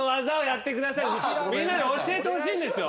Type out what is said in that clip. みんなに教えてほしいんですよ。